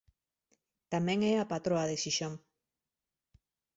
Tamén é a patroa de Xixón.